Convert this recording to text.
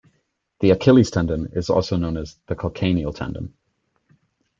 The Achilles tendon is also known as the calcaneal tendon.